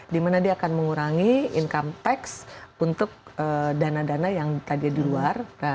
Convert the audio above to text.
dimana dia akan mengurangi income tax untuk dana dana yang tadinya di luar